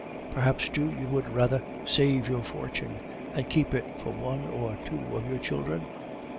Perhaps, too, you would rather save your fortune, and keep it for one or two of your children?